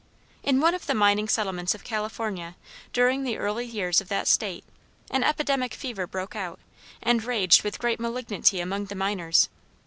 In one of the mining settlements of California, during the early years of that State, an epidemic fever broke out, and raged with great malignity among the miners.